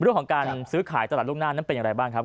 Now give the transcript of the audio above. ถูกต้องครับ